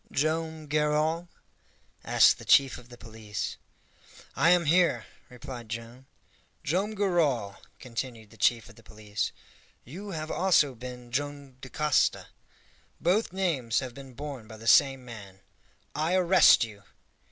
"Joam Garral?" asked the chief of the police. "I am here," replied Joam. "Joam Garral," continued the chief of the police, "you have also been Joam Dacosta; both names have been borne by the same man I arrest you!"